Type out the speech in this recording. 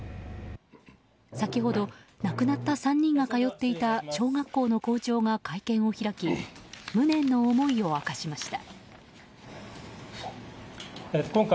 先ほど亡くなった３人が通っていた小学校の校長が会見を開き無念の思いを明かしました。